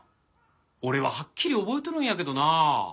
俺ははっきり覚えとるんやけどなあ。